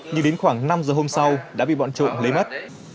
nhưng đến khoảng năm giờ hôm sau đã bị bọn trộm lấy mất